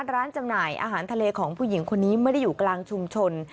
จำหน่ายอาหารทะเลของผู้หญิงคนนี้ไม่ได้อยู่กลางชุมชน